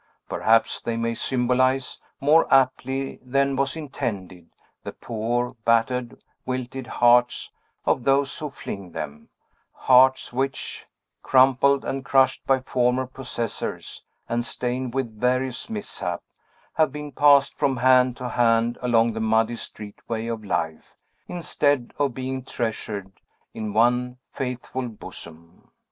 Perhaps they may symbolize, more aptly than was intended, the poor, battered, wilted hearts of those who fling them; hearts which crumpled and crushed by former possessors, and stained with various mishap have been passed from hand to hand along the muddy street way of life, instead of being treasured in one faithful bosom.